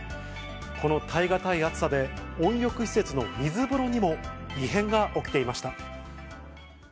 この耐え難い暑さで、温浴施設の水風呂にも異変が起きていました。